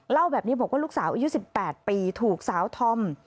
เล่าแบบนี้บอกว่าลูกสาวอายุ๑๘ปีถูกสาวธอม